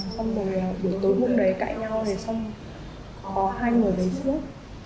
xong rồi buổi tối buổi đấy cãi nhau rồi xong có hai người đấy xuống